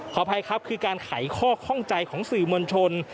อภัยครับคือการไขข้อข้องใจของสื่อมวลชน